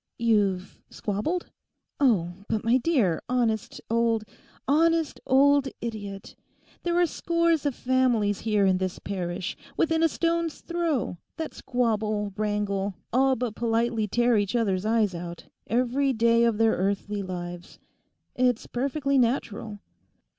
'You've—squabbled? Oh, but my dear, honest old, honest old idiot, there are scores of families here in this parish, within a stone's throw, that squabble, wrangle, all but politely tear each other's eyes out, every day of their earthly lives. It's perfectly natural.